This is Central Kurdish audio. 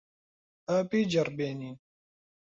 با بیجەڕبێنین.